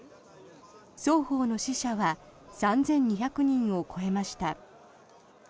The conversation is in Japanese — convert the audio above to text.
双方の死者は３２００人を超えました。